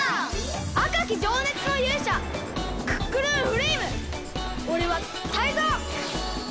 あかきじょうねつのゆうしゃクックルンフレイムおれはタイゾウ！